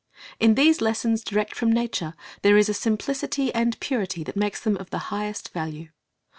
In these lessons direct from nature, there is a simplicity and purity that makes them of the highest value.